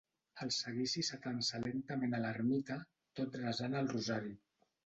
El seguici s'atansa lentament a l'ermita tot resant el rosari.